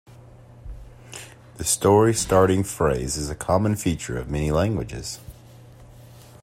The "story-starting phrase" is a common feature of many languages.